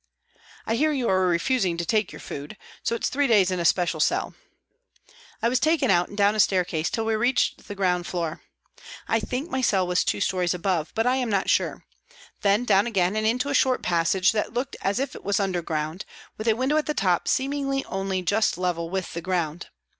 " I hear you are refusing to take your food, so it's three days in a special cell." I was taken out and down a staircase till we reached the ground floor. I think my cell was two stories above, but I am not sure ; then down again and into a short passage that looked as if it was underground, with a window at the top seemingly only just level WALTON GAOL, LIVERPOOL 267 with the ground.